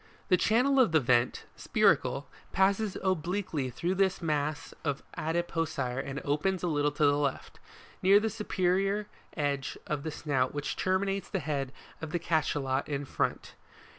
The channel of the vent, (spiracle) passes obliquely through this mass of adipocire and opens a little to the left, near the supe rior edge of the snout which terminates the head of the Cachalot in front.